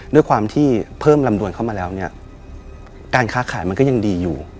ด้วยความที่เพิ่มลำดวนเข้ามาแล้วเนี่ยการค้าขายมันก็ยังดีอยู่